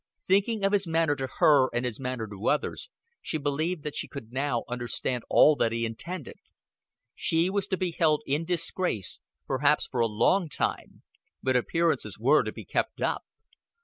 Thinking of his manner to her and his manner to others, she believed that she could now understand all that he intended. She was to be held in disgrace perhaps for a long time, but appearances were to be kept up.